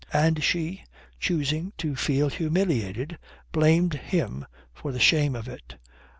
And she, choosing to feel humiliated, blamed him for the shame of it.